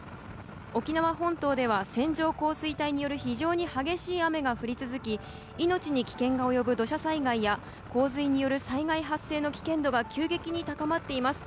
沖縄本島では線状降水帯による非常に激しい雨が降り続き命に危険が及ぶ土砂災害や洪水による災害発生の危険度が急激に高まっています。